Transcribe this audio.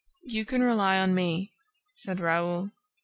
"You can rely on me," said Raoul.